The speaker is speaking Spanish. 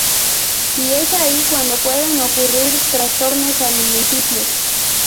Y es ahí cuando pueden ocurrir trastornos alimenticios.